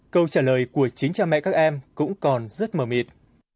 câu trả lời của chính cha mẹ các em cũng còn rất mong